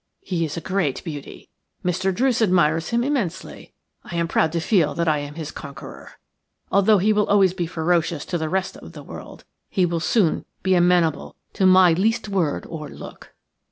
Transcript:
He is a great beauty. Mr. Druce admires him immensely. I am proud to feel that I am his conqueror. Although he will always be ferocious to the rest of the world, he will soon be amenable to my least word or look."